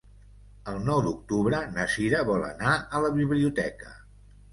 El nou d'octubre na Cira vol anar a la biblioteca.